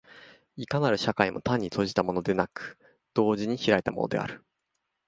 いかなる社会も単に閉じたものでなく、同時に開いたものである。